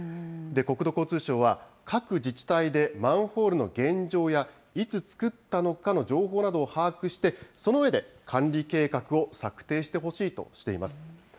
国土交通省は、各自治体でマンホールの現状やいつ作ったのかの情報などを把握して、その上で管理計画を策定してほしいとしています。